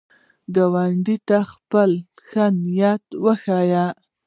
ګاونډي ته خپل ښه نیت وښیه